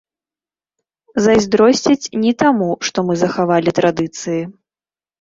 Зайздросцяць не таму, што мы захавалі традыцыі.